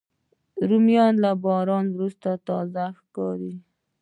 رومیان له باران وروسته تازه ښکاري